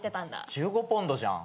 １５ポンドじゃん。